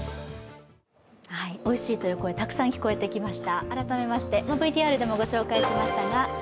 おいしいという声、たくさん聞こえてきました。